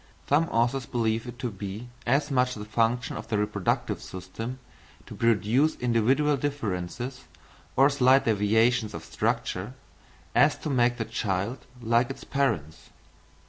Some authors believe it to be as much the function of the reproductive system to produce individual differences, or slight deviations of structure, as to make the child like its parents.